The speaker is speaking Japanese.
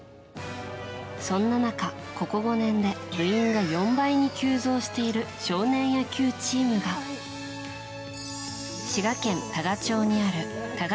そんな中、ここ５年で部員が４倍に急増している少年野球チームが滋賀県多賀町にある多賀